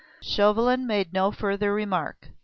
Chauvelin made no further remark.